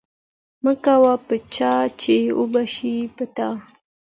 ـ مه کوه په چا ،چې وبشي په تا.